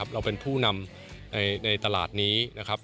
เราเป็นผู้นำในตลาดนี้